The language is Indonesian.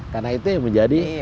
karena itu yang menjadi